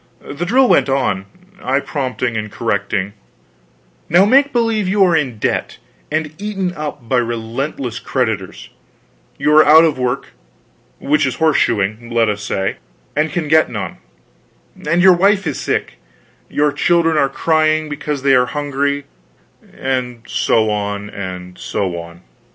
The drill went on, I prompting and correcting: "Now, make believe you are in debt, and eaten up by relentless creditors; you are out of work which is horse shoeing, let us say and can get none; and your wife is sick, your children are crying because they are hungry " And so on, and so on.